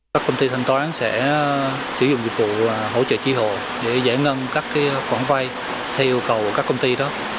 các công ty thanh toán sẽ sử dụng dịch vụ hỗ trợ tri hồ để giải ngân các khoản vay theo yêu cầu của các công ty đó